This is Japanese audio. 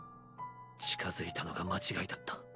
近づいたのが間違いだった。